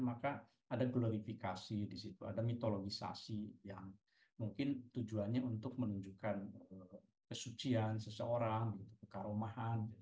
maka ada glorifikasi di situ ada mitologisasi yang mungkin tujuannya untuk menunjukkan kesucian seseorang kekaromahan